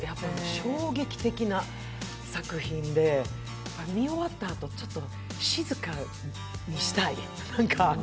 衝撃的な作品で見終わったあと、ちょっと静かにしたい。